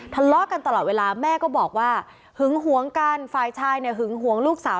ทะเลาะกันตลอดเวลาแม่ก็บอกว่าหึงหวงกันฝ่ายชายเนี่ยหึงหวงลูกสาว